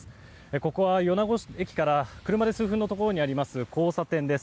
ここは米子駅から車で数分のところにあります交差点です。